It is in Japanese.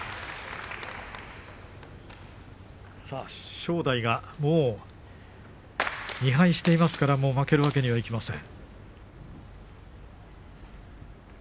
正代がもう２敗していますから負けるわけにはいきません。